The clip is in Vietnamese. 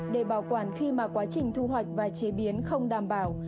để bảo quản khi mà quá trình thu hoạch và chế biến không đảm bảo